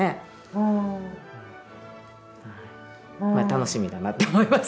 楽しみだなって思います